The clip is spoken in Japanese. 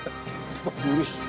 うれしい。